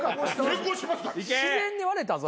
自然に割れたぞあれ。